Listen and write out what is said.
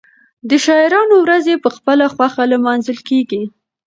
د شاعرانو ورځې په خپله خوښه لمانځل کېږي.